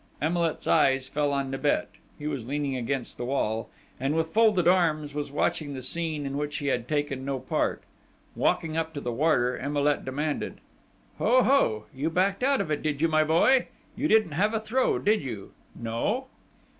Emilet's eyes fell on Nibet. He was leaning against the wall, and, with folded arms, was watching the scene in which he had taken no part. Walking up to the warder, Emilet demanded: "Ho! Ho! You backed out of it, did you, my boy?... You didn't have a throw, did you?... No?..."